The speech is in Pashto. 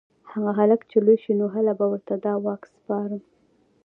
هغه هلک چې لوی شي نو هله به ورته دا واک سپارم